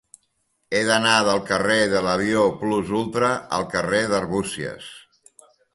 He d'anar del carrer de l'Avió Plus Ultra al carrer d'Arbúcies.